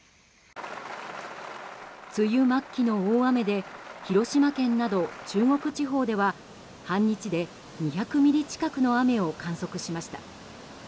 梅雨末期の大雨で広島県など中国地方では半日で２００ミリ近くの雨を観測しました。